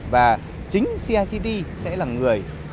và chính cict sẽ là người